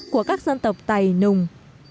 của các dân tộc tày nùng